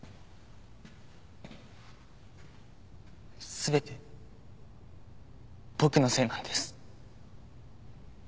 全て僕のせいなんです。